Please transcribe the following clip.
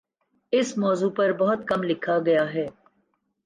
اس موضوع پر بہت کم لکھا گیا ہے